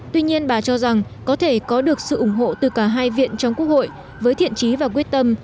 tuy nhiên bà cho rằng có thể có được sự ủng hộ từ cả hai viện trong quốc hội với thiện trí và quyết tâm